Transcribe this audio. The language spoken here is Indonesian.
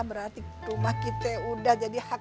berarti rumah kita udah jadi hak kita lagi